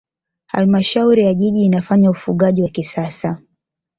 halmashauri ya jiji inafanya ufugaji wa kisasa